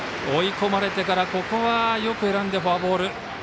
追い込まれてからここはよく選んでフォアボール。